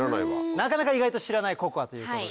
なかなか意外と知らないココアということで。